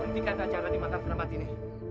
hentikan raja raja di masyarakat tempat ini